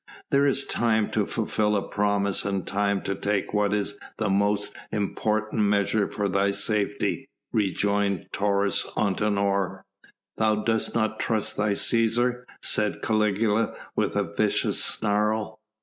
"There is time to fulfil a promise and time to take what is the most important measure for thy safety," rejoined Taurus Antinor. "Thou dost not trust thy Cæsar," said Caligula with a vicious snarl.